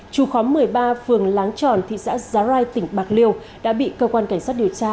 trù khóm một mươi ba phường láng tròn thị xã giá rai tỉnh bạc liêu đã bị cơ quan cảnh sát điều tra